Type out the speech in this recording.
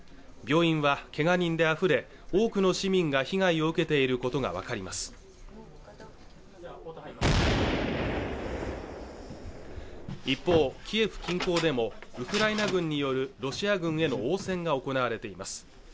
病院はけが人であふれ多くの市民が被害を受けていることが分かります一方キエフ近郊でもウクライナ軍によるロシア軍への応戦が行われています